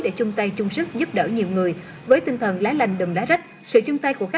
để chung tay chung sức giúp đỡ nhiều người với tinh thần lá lanh đừng lá rách sự chung tay của